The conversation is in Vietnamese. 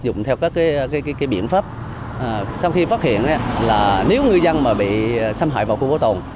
dùng theo các biện pháp sau khi phát hiện là nếu người dân mà bị xâm hại vào khu bảo tồn